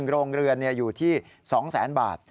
โรงเรือนอยู่ที่๒แสนบาท